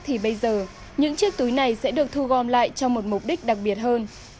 thì bây giờ những chiếc túi này sẽ được thu gom lại cho một mục đích đặc biệt hơn